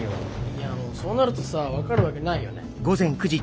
いやそうなるとさ分かるわけないよね。